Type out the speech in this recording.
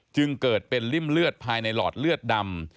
จึงเกิดเป็นริ่มเลือดภายในหลอดเลือดดำ